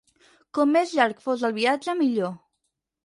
Com més llarg fos el viatge millor.